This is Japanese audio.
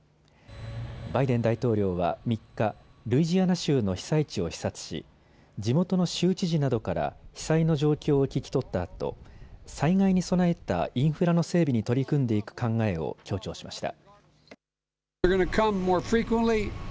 バイデン大統領は３日、ルイジアナ州の被災地を視察し地元の州知事などから被災の状況を聞き取ったあと災害に備えたインフラの整備に取り組んでいく考えを強調しました。